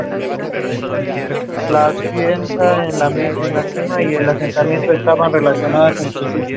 Situada en las Shire Highlands.